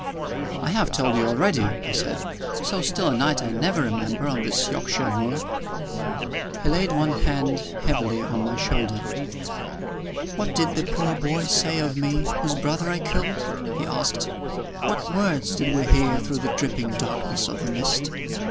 "I have told you already," I said. "So still a night I never remember on this Yorkshire moor." He laid one hand heavily on my shoulder. "What did the poor boy say of me, whose brother I killed?" he asked. "What words did we hear through the dripping darkness of the mist?"